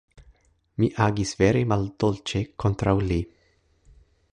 Mi agis vere maldolĉe kontraŭ li.